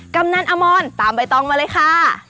กำนันอมรตามใบตองมาเลยค่ะ